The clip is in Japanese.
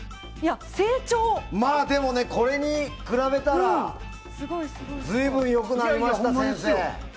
これに比べたら随分良くなりました、先生。